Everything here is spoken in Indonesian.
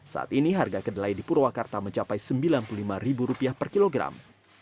saat ini harga kedelai di purwakarta mencapai rp sembilan puluh lima per kilogram